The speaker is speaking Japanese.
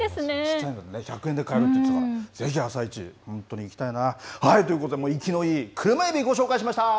小さいので１００円で買えるそうですから、ぜひ朝市、本当に行きたいな。ということで、生きのいい車えびご紹介しました。